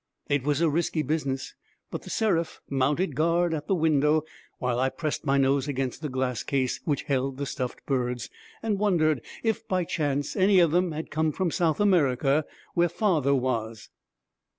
It was a risky business. But The Seraph mounted guard at the window while I pressed my nose against the glass case which held the stuffed birds, and wondered if by chance any of them had come from South America where father was.